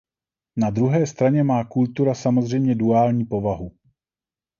Na druhé straně má kultura samozřejmě duální povahu.